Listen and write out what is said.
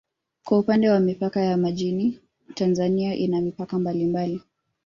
Kwa upande wa mipaka ya majini Tanzania inayo mipaka mbalimbali